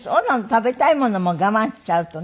食べたいものも我慢しちゃうとね。